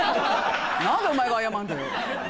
何でお前が謝るんだよ。